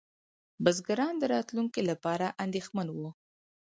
بزګران د راتلونکي لپاره اندېښمن وو.